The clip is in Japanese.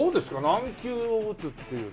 軟球を打つっていうのは。